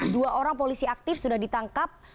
dua orang polisi aktif sudah ditangkap